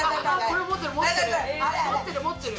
これ持ってる持ってる。